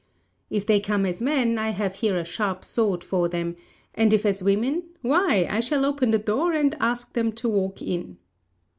If they come as men, I have here a sharp sword for them; and if as women, why, I shall open the door and ask them to walk in."